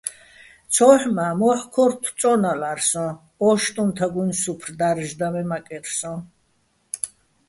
ცოჰ̦ მა́, მოჰ̦ ქორთო̆ წო́ნალარ სოჼ ოშტუჼ თაგუჲნი̆ სუფრ და́რჟდაჼ მე მაკერ სოჼ.